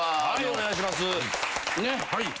お願いします。